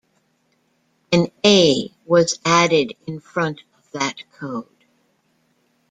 An A was added in front of that code.